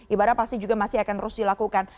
ibadah pasti juga masih akan terus dilakukan